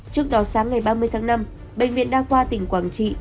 trước đó sáng ngày ba mươi tháng năm bệnh viện đã qua tỉnh quảng trị